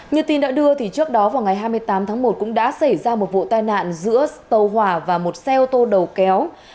như tin đã đưa trước đó vào ngày hai mươi tám tháng một cũng đã xảy ra một vụ tai nạn giữa tàu hỏa và một xe ô tô đầu kéo